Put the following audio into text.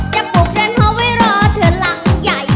จะปลูกเลนท์ฮอล์ไว้รอเถือนหลังใหญ่